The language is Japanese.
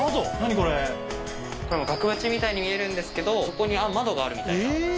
これ額縁みたいに見えるんですけどそこに窓があるみたいな。